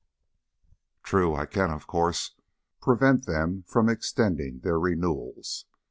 "True. I can, of course, prevent them from extending their renewals.